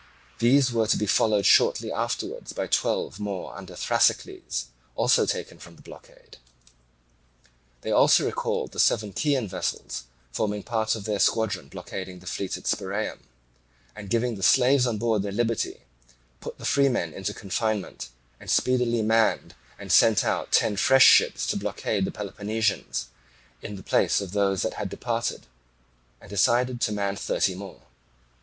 These were to be followed shortly afterwards by twelve more under Thrasycles, also taken from the blockade. They also recalled the seven Chian vessels, forming part of their squadron blockading the fleet in Spiraeum, and giving the slaves on board their liberty, put the freemen in confinement, and speedily manned and sent out ten fresh ships to blockade the Peloponnesians in the place of all those that had departed, and decided to man thirty more.